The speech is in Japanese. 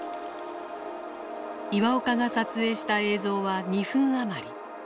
岩岡が撮影した映像は２分余り。